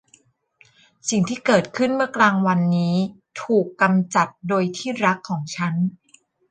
สิ่งที่เกิดขึ้นเมื่อกลางวันนี้ถูกกำจัดโดยที่รักของฉัน